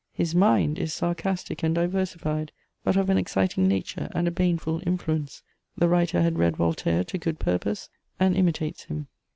His mind is sarcastic and diversified, but of an exciting nature and a baneful influence: the writer had read Voltaire to good purpose, and imitates him.